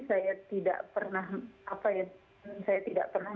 saya tidak pernah